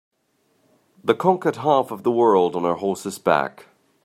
The conquered half of the world on her horse's back.